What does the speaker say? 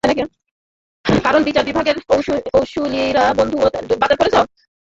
কারণ, বিচার বিভাগের কৌঁসুলিরা বন্ধুত্ব এবং দুর্নীতির প্রভেদ করতে জানেন না।